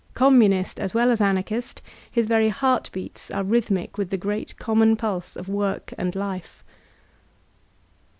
Communist as well as Anarchist* his very heart beats are rhythmic with the great common pulse of work and life.